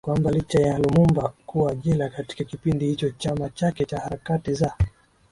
kwamba licha ya Lumumba kuwa jela katika kipindi hicho chama chake cha harakati za